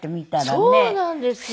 そうなんですよ。